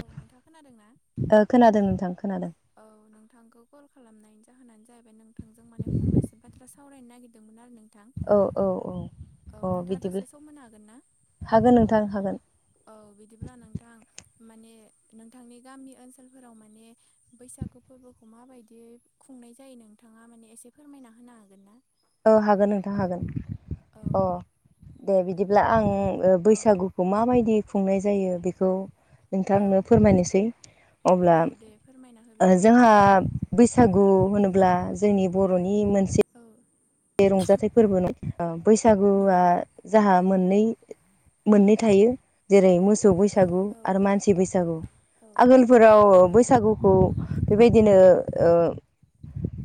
औ नोंथाङा खोनादों ना? खोनादों नोंथां खोनादों औ नोंथांखौ कल खालामनायनि जाहोनानो जाहैबाय नोंथांजों माने फंनैसो बाथ्रा सावरायनो नागिरदोंमोन आरो नोंथां औ औ औ औ अ नोंथाङा बिदिब्ला दसेसो मोननो हागोनना हागोन नोंथां हागोन औ बिदिब्ला नोंथां माने नोंथांनि गामि ओनसोलफोराव माने बैसागु फोरबोखौ माबायदि खुंनाय जायो नोंथाङा माने एसे फोरमायना होनो हागोन ना औ हागोन नोंथां हागोन औ अ दे बिदिब्ला आं औ बैसागु खौ माबायदि खुंनाय जायो बेखौ औ नोंथांनो फोरमायनोसै अब्ला औ दे फोरमायना हो बिदिब्ला जोंहा बैसागु होनोब्ला जोंनि बर'नि मोनसे औ बे रंजाथाइ औ फोरबो नङा [unintelligible] बैसागुआ नंगौ जोंहा मोननै मोननै थायो जेरै मोसौ बैसा गु औ आरो मानसि बैसागु औ आगोलफोराव नंगौ बैसागुखौ बेबायदिनो ओ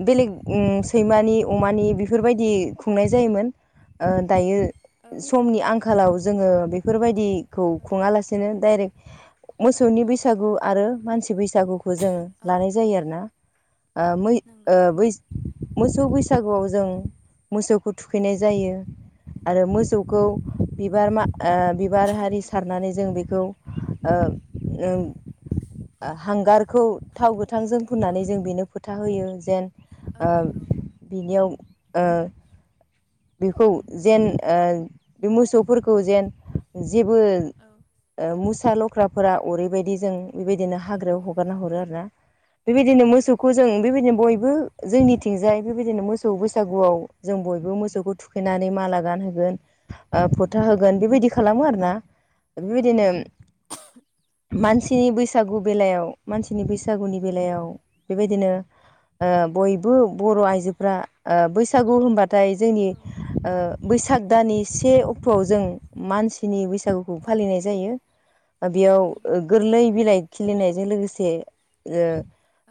बेलेग सैमानि अमानि बे फोरबायदि खुंनाय जायोमोन ओ दायो औ समनि आं खालाव जोङो बेफोरबायदिखौ औ खुङाला सेनो डाइरेक मोसौनि बैसागु आरो मानसि बैसागु खौ जोङो औ लानाय जायो आरो ना ओ मै ओ नंगौ बै मोसौ बैसागुआव जों मोसौखौ थुखैनाय जायो आरो नंगौ मोसौखौ बिबार मा बिबार हारि औ सारनानै जों बेखौ ओ ओम हांगारखौ थाव गोथांजों औ औ फुननानै जों बेनो फोथा होयो जेन औ ओ नंगौ बिनियाव ओ बेखौ जेन ओ बे मोसौफोरखौ जेन जेबो औ मुसा लख्राफोरा ओरैबायदि जों बेबायदिनो हाग्रायाव औ हगारना हरो आरोना बेबायदिनो नंगौ मोसौखौ जों बेबायदिनो बयबो जोंनिथिंजाय बेबायदिनो मोसौ बैसा सागुआव जों बयबो मोसौखौ थुखैनानै माला गानहोगोन फोथा नंगौ होगोन बेबायदि खालामो आरोना औ बेबायदिनो नंगौ औ मानसिनि बैसा सागु बेलायाव मानसिनि बैसागुनि बेलायाव बेबायदिनो ओ बयबो बर' आइजोफ्रा ओ बैसागु होनबाथाय जोंनि औ ओ बैसाग दाननि से अक्ट'आव जों मानसिनि बैसागु खौ औ फालिनाय जायो बेयाव नंगौ गोरलै बिलाइ खिलिनायजों लोगोसे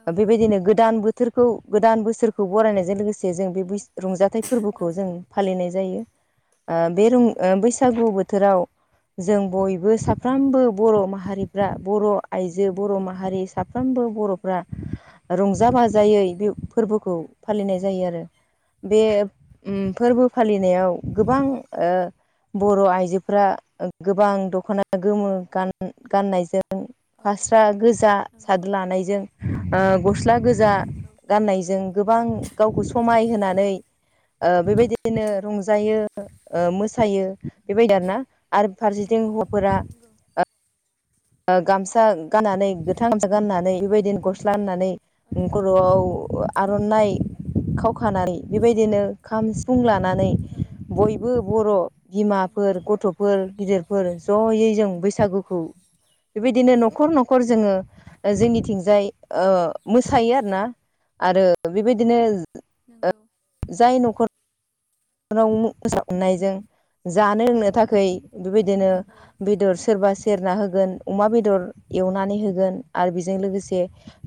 औ बेबायदिनो गोदान बो थोरखौ गोदान बोसोरखौ बरायनायजों लोगोसे जों बे बै रंजाथाइ औ फोरबोखौ जों फालिनाय जायो ओ बे रं नंगौ बै सागु बोथोराव जों बयबो औ साफ्रोमबो बर' माहारिफ्रा बर' आइजो बर' माहारि साफ्रोमबो बर'फ्रा रंजा औ बाजायै फोरबोखौ फालिनाय जायो आरो बे नंगौ फोरबो फालिनायाव गोबां बर' आइजोफ्रा गोबां दख'ना गोमो गान गाननायजों औ फास्रा गोजा सादु नंगौ लानायजों ओ गस्ला गोजा नंगौ गाननायजों गोबां समाय होनानै ओ बेबायदिनो औ रं जायो मोसायो बेबायदि आरो ना आरो फारसेथिं नंगौ हौवाफोरा नंगौ गामसा गाननानै गोथां गामसा गाननानै बेबायदिनो गस्ला होननानै औ खर'आव औ आर'नाइ खावखानानै बेबायदिनो खाम सिफुं लानानै औ बयबो बर' नंगौ बिमाफोर गथ'फोर गिदिरफोर जयै जों बैसागुखौ बेबायदिनो न'खर न'खर जोङो जोंनिथिंजाय ओ मोसायो आरो ना आरो बेबायदिनो नंगौ जाय न'खर नखराव मोसानायजों जानो लोंनो थाखाय बेबायदिनो औ बेदर सोरबा सेरना हो गोन अमा बेदर एवनानै होगोन आरो बेजों लोगोसे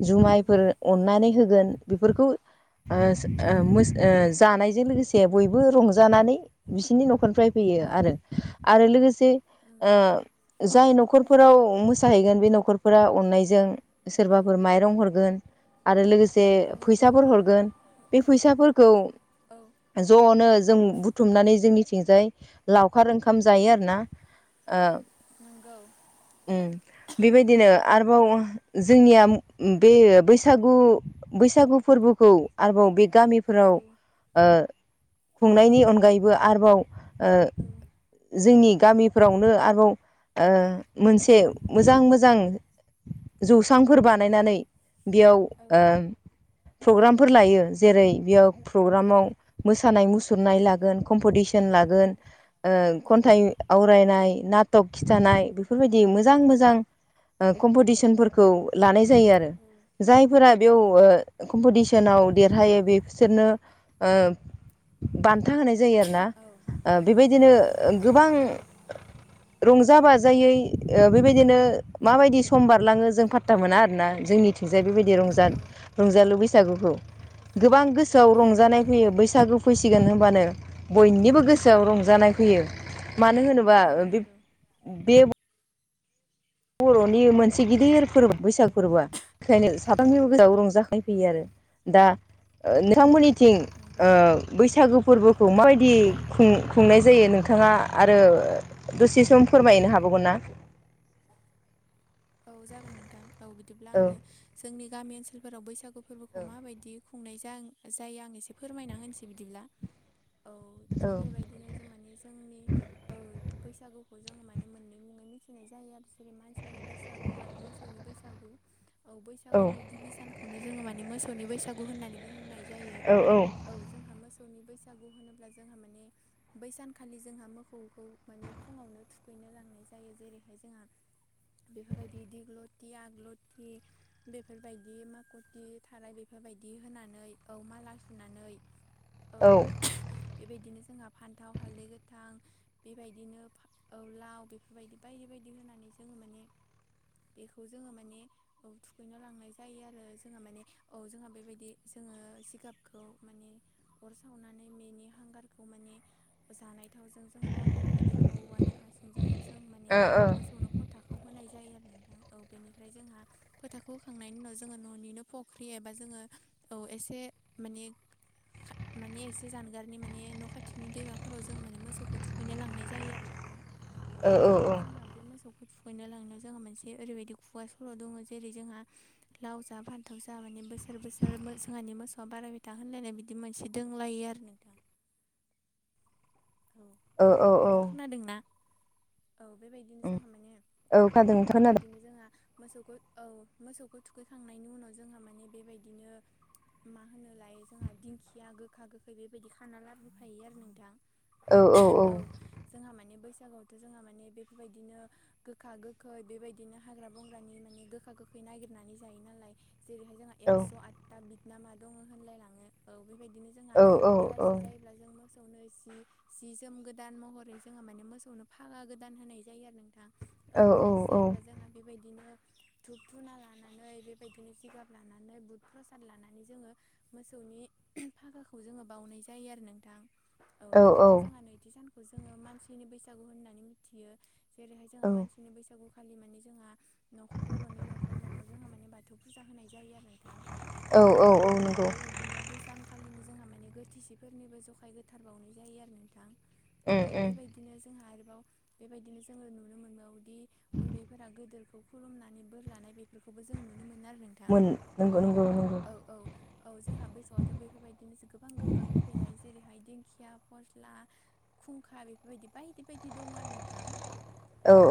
जुमायफोर नंगौ अननानै होगोन बेफोरखौ ओस ओ नंगौ मो ओ जानायजों लोगोसे बयबो रंजानानै बिसिनि न'खरनिफ्राय फैयो औ आरो आरो लोगोसे नंगौ जाय न'खर न'खफोराव मोसाहैगोन बे न'खरफोरा अननायजों औ सोरबाफोर माइरं हरगोन आरो लोगोसे फैसाफोर नंगौ हरगोन बे फैसाफोरखौ औ ज'नो जों बुथुमनानै जोंनिथिंजाय लावखार ओंखाम जायो आरोना ओं नंगौ बेबायदिनो आरोबाव जोंनिया बे बैसागु बैसागु फोरबोखौ आरोबाव बे गामिफोराव ओ खुंनायनि अनगायैबो आरोबाव जोंनि गामिफोरावनो आरोबाव मोनसे मोजां मोजां जौसांफोर बानायनानै बेयाव प्रग्रामफोर लायो जेरै बेयाव प्रग्रामाव मोसानाय मुसुरनाय लागोन कम्पिटिसन लागोन औ नंगौ औ नंगौ खन्थाइ आवरायनाय नाटक खिन्थानाय बेफोरबायदि मोजां नंगौ मोजां कम्पिटिसनफोरखौ लानाय जायो आरो औ जायफोरा औ बेयाव नंगौ कम्पिटिसनाव देरहायो बिसोरनो बान्था होनाय जायो आरोोना औ बेबायदिनो गोबां औ रंजा बाजायै बेबायदिनो माबायदि सम बारलाङो जों फात्ता मोना आरोना जोंनि थिंजाय बेबायदि रंजा नंगौ रंजालु बैसागुखौ गोबां गोसोआव औ रंजानाय नंगौ फैयो बैसागु फैसिगोन होनबानो बयनिबो औ गोसोआव रंजानाय फैयो मानो होनोबा औ नंगौ बे बर'नि मोनसे गिदिर फोरबो बैसाग फोरबोआ ओंखायनो नंगौ साफ्रोमनिबो गोजाव रंजाखांफैयो नंगौ आरो दा नोंथांमोननि थिं नंगौ बैसागो फोरबोखौ माबायदि औ खुं खुंनाय जायो नोंथाङा आरो दसे सम औ फोरमायनो हाबावगोन ना औ जागोन नोंथां औ बिदिब्ला औ आङो जोंनि गामि ओनसोलफोराव बैसागु फोरबोखौ माबायदि खुंनाय जायो आं एसे फोरमायना होनसै बिदिब्ला औ थिग बेबायदिनो जों माने जोंनि बैसागुखौ जोङो माने मोननै मुङै मिथिनाय जायो आरो जेरै मानसिनि बसागु आरो मोसौनि बैसागु औ बैसागुनि गिबि सान खौनो जोङो माने मोसौनि बैसागु होननानै बुंनाय जायो औ जोंहा मोसौनि बैसागु होनोब्ला जोंहा माने बैसानखालि जोंहा मोसौखौ माने फुङावनो थुखैनो लांनाय जायो जेरैहाय जोंहा बेफोरबायदि दिग्लथि आग्लथि बेफोरबायदि माखथि थाराय बेफोरबायदि होनानै औ माला सुनानै [inaudible] औ बेबायदिनो जोंहा फान्थाव हालदै गोथां बेबायदिनो लाव बेफोरबायदि बायदि बायदि होनानै जोङो माने बेखौ जोङो माने औ थुखैनो लांनाय जायो आरो जोंहा माने औ जोंहा बेबायदि जोङो जिगाबखौ माने अर सावनानै बेनि हांगारखौ माने जानाय थावजों जों गलायनानै बेखौ औवानि हासुंजों जों माने औ मोसौनो फथाखौ होनाय जायो आरो नोंथां औ बेनिफ्राय जोंहा फोथाखौ होखांनायनि उनाव जोङो न'निनो फख्रि एबा जोङो औ एसे माने माने एसे जानगारनि माने न' खाथिनि दैमाफोराव जों माने मोसौखौ थुख नो लांनाय जायो आरो नों दां औ बेनिफ्राय जोंहा बे मोसौखौ ना लांनायाव जोंहा मोनसे ओरैबायदि खुगा सल' दङ जेरै जोंहा लाव जा फान्थाव जा माने बोसो बोसोर बोसोर जोंहानि मोसौआ बारायबाय था होनलायनाय बिदि मोनसे दोंलायो आरो नोंथां औ औ औ औ खोथा खोनादोंना औ बेबायदिनो जोंहा माने औ खोनादों नोंथां खोनादों बेबायदिनो जोंहा मोसौखौ औ मोसौखौ थुखैखांनायनि उनाव जोंहा माने बेबायदिनो मा होनो लायो जोंहा दिंखिया गोखा गोखै बेबायदि खाना लाबोफायो आरो नोंथां औ औ औ औ जोंहा माने बैसागोआवथ' जोंहा माने बेफोरबायदिनो गोखा गोखै बेबायदिनो हाग्रा बंग्रानि माने गोखा गोखै नागिरनानै जायो नालाय जेरैहाय जोंहा एक्स' आदथा बिदनामा दङ होनलायलाङो औ बेबायदिनो जोंहा बेलासि जायोब्ला जों मोसौ सावनाय जि जि जोम गोदान महरै जोङो माने मोसौनो फागा गोदान होनाय जायो आरो नोंथां औ बेलासि जायोब्ला जोंहा बेबायदिनो धुप धुना लानानै बेबायदिनो जिगाब लानानै बुध प्रसाद लानानै जोङो मोसौनि फागाखौ जोङो बावनाय जायो आरो नोंथां औ बिनिफ्राय जोंहा नैथि सानखौ जोङो मानसिनि बैसागु होननानै मिथियो जेरैहाय जोंहा मानसि बिदिनो बैसागुखालि माने जोंहा न बर'नि न'खर न'खर जोंहा माने बाथौ फुजा होनाय जायो आरो औ बेबायदिनो बै सान खा खालिनो जोंहा माने गोथैसिफोरनिबो जखाय गोथार बावनाय जायो आरो नोंथां औ उम बेबायदि बिदिनो जोंहा आरोबाव बेबायदिनो जोङो नुनो मोनबावोदि उन्दैफोरा गोदोरखौ खौ खुलुमनानै बोर लानाय बेफोरखौबो जों नुनो मोनो आरो नों मोनो नंगौ नंगौ नंगौ औ औ जोंहा बैसागोआवथ' बेफोरबायदिनो गोबां गोखा गोखै जायो जेरैहाय दिंखिया फर खुंखा बेफोरबायदि बायदि बायदि दं आरो नोंथां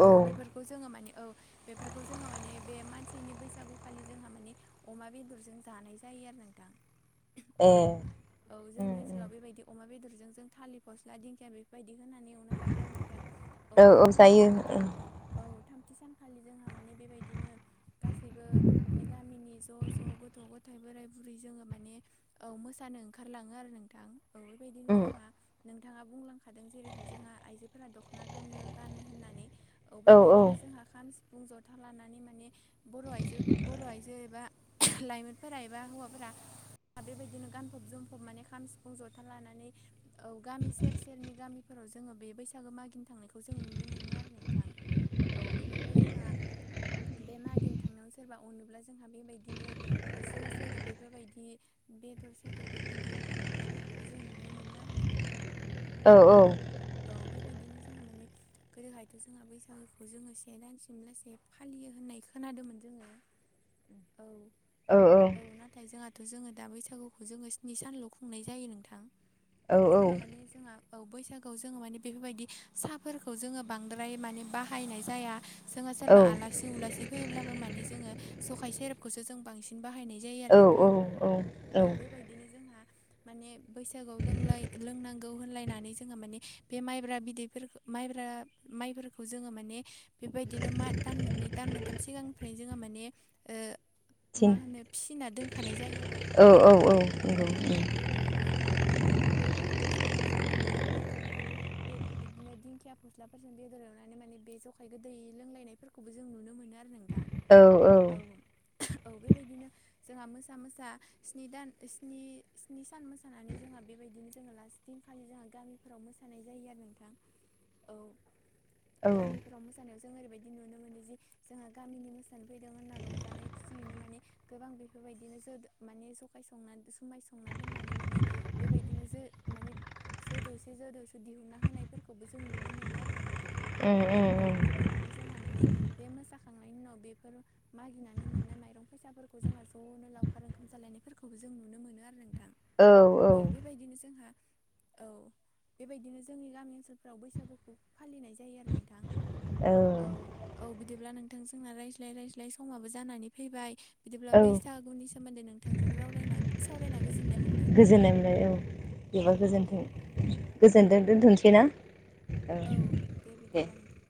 औ बे बेखौ जोङो माने औ बेफोरखौ जोङो माने बे मानसिनि बैसागुखालि जोंहा माने अमा बेदरजों जानाय जायो आरो नोंथां ए औ उम औ जोंनि उम ओनसोलाव बेबायदि अमा बेदरजों जों थालिर फस्ला दिंखिया बेफोरबायदि होनानै एवना जायो आरो नोंथां औ बेनि उनाव जोंहा थाम औ थामथि सानखालि जोंहा माने बेबायदिनो गासैबो माने गामिनि ज' ज' गथ' गथ' थाय बोराय बुरि जोङो माने औ मोसानो ओंखारलाङो आरो नोंथां औ बेबायदिनो उम जोंहा नोंथाङा बुंलांखादों जेरैहाय जोंहा आइजोफोरा दख'ना गोमो गानो होननानै औ बेबायदिनो जोंहा खाम सिफुं जथा लानानै माने बर' आइजो बर' आइजो एबा लाइमोनफोरा एबा हौवाफोरा बेबायदिनो गानफब जोमफब माने खाम सिफुं जथा लानानै औ गामि सेर सेरनि गामिफोराव जोङो बे बैसागु मागिनो थांनायखौ जों नुनो मोनो आरो नोंथां औ बेनिफ्राय जोंहा बे मागिनो थांनायाव सोरबा अनोब्ला जोंहा बेबायदिनो जौ सेरेब बेफोरबायदि बेदर सेदर बेबायदि एवनानै होनायफोरखौबो जों नुनो मोनो आरो नोंथां औ औ औ बेबायदिनो जोङो माने गोदोहायथ' जोंहा बैसागोखौ जोङो से दान सिमलास फालियो होननाय खोनादोंमोन जोङो औ औ औ औ नाथाय जोंहाथ' जोङो दा बैसागुखौ जोङो स्नि सानल' खुंनाय जायो नोंथां औ जोंहा माने जोंहा औ बैसागोआव जोङो माने बेफोरबायदि साहाफोरखौ जोङो बांद्राय माने बाहायनाय जाया। जोङो सोरबा आलासि उलासि फैयोब्लाबो मानि जोङो सखाय सेरेबखौसो जों बांसिन बाहायनाय जायो आरो नोंथां औ बेबायदिनो जोंहा माने बैसागुआव लोंलाय लोंनांगौ होनलायनानै जोङो माने बे माइब्रा बिदैफोरखौ माइब्रा माइफोरखौ जोङो माने बेबायदिनो मा दान मोननै दान मोनथाम सिगांनिफ्रायनो जोङो माने ओ मा थिन होनो फिसिना दोनखानाय जायो आरो नोंथां औ औ औ नंगौ उम औ बेबायदिनो जोंहा माने बेबायदि बैसागोआव जोंहा माने बेदरफोर बे बिदिनो दिंखिया फस्लाफोरजों बेदर एवनानै माने बे जखाय गोदै लोंलायनायफोर खौबो जों नुनो मोनो आरो नोंथां औ औ औ औ बेबायदिनो जोंहा मोसा मोसा स्नि दान स्नि सान मोसानानै जोंहा बेबायदिनो जोङो लास्ट दिनखालि जोंहा गामिफोराव मोसानाय जायो आरो नोंथां औ उम गामिफोराव मोसानाय जों ओरैबायदि नुनो मोनो जि जोंहा गामिनि मोसानो फैदों होनना रंजानाय खुसियैनो माने गोबां बेफोरबायदिनो जो माने जखाय संना समुमाय संना दोननानै माने बेबायदिनोसो माने सो दौसे जो दौस दिहुनना होनायफोरखौबो जों नुनो मोनो आरो नोंथां उम औ उम बेबायदि बिदिनो जोंहा माने बे मोसाखांनायनि उनाव बेफोर मागिनानै मोननाय माइरं फैसाफोरखौ जोंहा ज'नो लावखार ओंखाम जालायनायफोरखौबो जों नुनो मोनो आरो नोंथां औ औ बेबायदिनो जोंहा औ बेबायदिनो जोंनि गामि ओनसोलफोराव बैसागुखौ फालिनाय जायो आरो नोंथां औ औ बिदिब्ला नोंथां जोंना रायज्लाय रायज्लाय समाबो जानानै फैबाय बिदिब्ला औ बैसागुनि सोमोन्दै नोंथांजों रावरायना सावरायना गोजोननाय मोनबाय गोजोननाय मोनबाय औ औ बेबा दे गोजोनथों गोजोनथों दोनथ'सै ना औ दे बिदिब्ला नोंथां